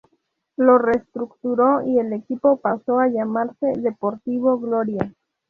Lo reestructuró y el equipo pasó a llamarse Deportivo Gloria.